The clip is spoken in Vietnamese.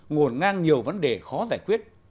nguồn ngang nhiều vấn đề khó giải quyết